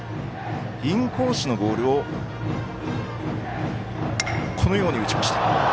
インコースのボールをこのように打ちました。